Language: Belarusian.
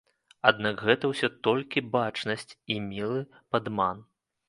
Аднак гэта ўсё толькі бачнасць і мілы падман.